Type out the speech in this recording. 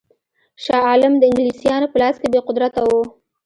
شاه عالم د انګلیسیانو په لاس کې بې قدرته وو.